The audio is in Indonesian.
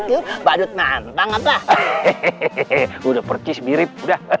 udah percis mirip